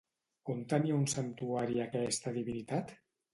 On tenia un santuari aquesta divinitat?